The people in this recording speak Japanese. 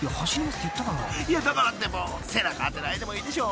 ［だからって背中当てないでもいいでしょ？］